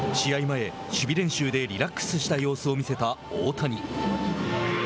前、守備練習でリラックスした様子を見せた大谷。